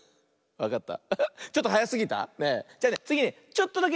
わかった？